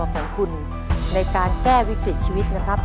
เด็กคนนำสายกลับสาว